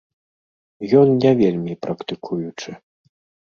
Ён не вельмі практыкуючы.